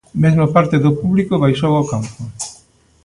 Mesmo parte do público baixou ao campo.